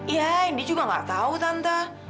ya indi juga nggak tahu tante